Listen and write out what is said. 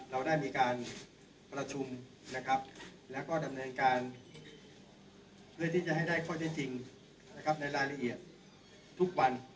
เราได้มีการประชุมและดำเนินการเพื่อให้ได้ข้อเท็จจริงในรายละเอียดทุกวัน